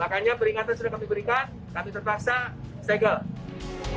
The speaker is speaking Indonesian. makanya peringatan sudah kami berikan kami terpaksa segel